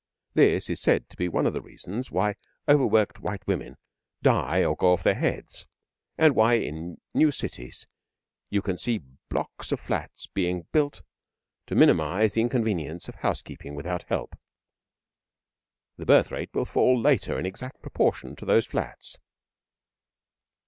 This is said to be one of the reasons why overworked white women die or go off their heads; and why in new cities you can see blocks of flats being built to minimise the inconveniences of housekeeping without help. The birth rate will fall later in exact proportion to those flats.